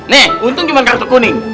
nih untung cuma kartu kuning